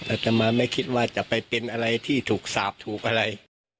อาตมาไม่คิดว่าจะไปเป็นอะไรที่ถูกสาปถูกอะไร